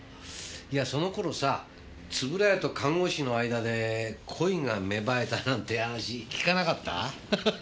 その頃さ円谷と看護師の間で恋が芽生えたなんて話聞かなかった？